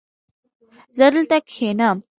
زه دلته کښېنم